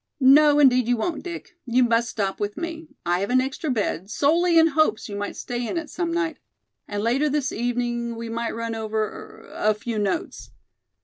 "No, indeed, you won't, Dick. You must stop with me. I have an extra bed, solely in hopes you might stay in it some night. And later this evening we might run over er a few notes."